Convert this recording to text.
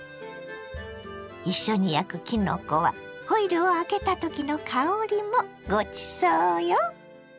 一緒に焼くきのこはホイルを開けたときの香りもごちそうよ。